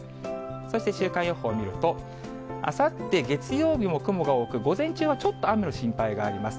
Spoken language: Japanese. そして週間予報を見ると、あさって月曜日も雲が多く、午前中はちょっと雨の心配があります。